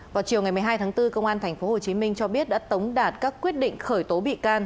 vào chiều ngày một mươi hai tháng bốn công an tp hcm cho biết đã tống đạt các quyết định khởi tố bị can